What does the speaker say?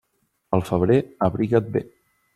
Pel febrer abriga't bé.